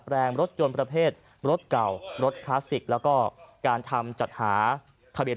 แรงรถยนต์ประเภทรถเก่ารถคลาสสิกแล้วก็การทำจัดหาทะเบียน